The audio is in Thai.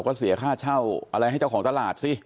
ก็เสียค่าเช่าอะไรให้เจ้าของตลาดสิ